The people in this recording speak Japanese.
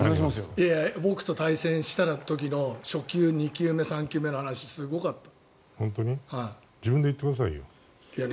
僕と対戦した時の初球、２球目、３球目の話すごかった。